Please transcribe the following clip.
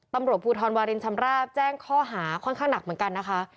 ตำรวจภูทรวารินชำราบแจ้งข้อหาค่อนข้างหนักเหมือนกันนะคะ